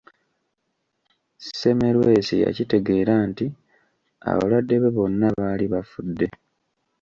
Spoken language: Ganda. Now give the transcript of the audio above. Semmelwesi yakitegeera nti abalwadde be bonna baali bafudde.